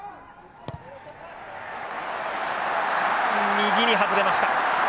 右に外れました。